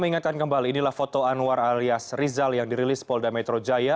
mengingatkan kembali inilah foto anwar alias rizal yang dirilis polda metro jaya